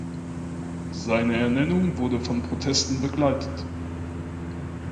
Seine Ernennung wurde von Protesten begleitet.